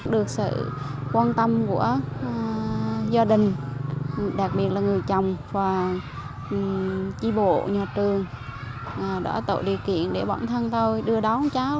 được sự quan tâm của gia đình đặc biệt là người chồng và chi bộ nhà trường đã tạo điều kiện để bọn thân tôi đưa đón cháu